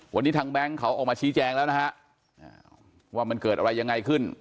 วันนี้ทางแบงค์เขาออกมาชี้แจงแล้วนะฮะว่ามันเกิดอะไรยังไงขึ้น